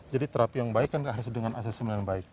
jadi terapi yang baik kan harus dengan assessment yang baik